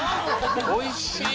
おいしい！